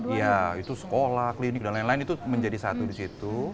ya itu sekolah klinik dan lain lain itu menjadi satu disitu